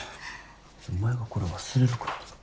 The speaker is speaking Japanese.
お前がこれ忘れるからだろ。